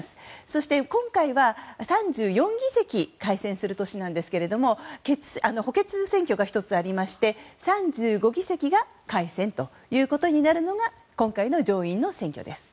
そして、今回は３４議席改選する年なんですけれども補欠選挙が１つありまして３５議席が改選となるのが今回の上院の選挙です。